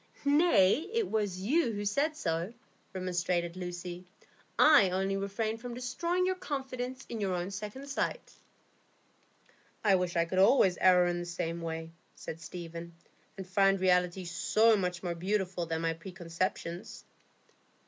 "Nay, it was you who said so," remonstrated Lucy. "I only refrained from destroying your confidence in your own second sight." "I wish I could always err in the same way," said Stephen, "and find reality so much more beautiful than my preconceptions."